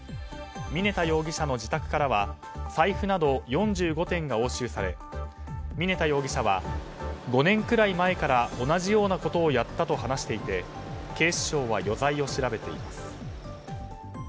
峯田容疑者の自宅からは財布など４５点が押収され峯田容疑者は、５年くらい前から同じようなことをやったと話していて警視庁は余罪を調べています。